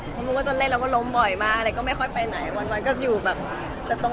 เหมือนว่าจะมาเล่นกับนี้ด้วยกัน